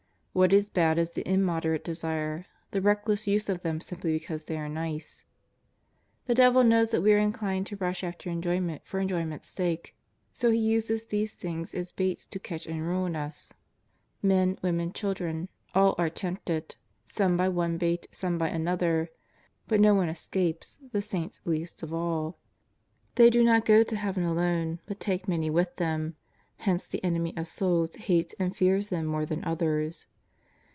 What is bad is the immoderate desire, the reckless use of them simply because they are nice. The devil knows that we are inclined to rush after enjoyment for enjoy ment's sake, so he uses these things as baits to catch and ruin us. Men, women, children, all are tempted, some by one bait, some by another, but no one escapes, the Saints least of all. They do not go to Heaven alone, but take many with them, hence the enemy of souls hates and fears them more than others.